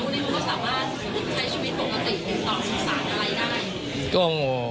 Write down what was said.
ตอนนี้คุณอยู่นู้น